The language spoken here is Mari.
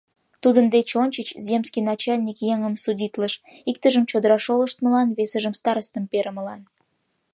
Тудын деч ончыч земский начальник еҥым судитлыш: иктыжым — чодыра шолыштмылан, весыжым — старостым перымылан.